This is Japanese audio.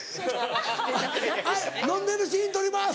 はい飲んでるシーン撮ります